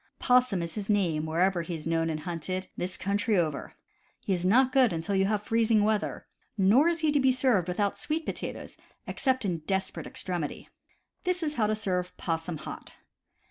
Possum is his name wherever he is known and hunted, this country over. He is not good until you have freezing weather; nor is he to be served without sweet potatoes, except in desperate extremity. This is how to serve "possum hot."